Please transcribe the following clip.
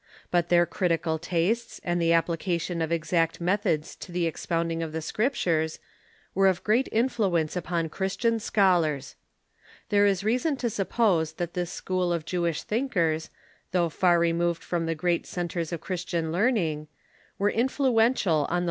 But their critical tastes and the application 176 THE MEDIAEVAL CHURCH of exact metliods to the expounding of the Scriptures were of great influence upon Christian scholars. There is reason to suppose that this school of Jewish thinkers, though far removed from the great centres of Christian learning, were influential on the